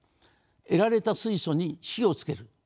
得られた水素に火をつける。